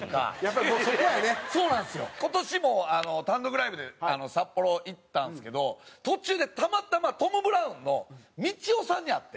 今年も単独ライブで札幌行ったんですけど途中でたまたまトム・ブラウンのみちおさんに会って。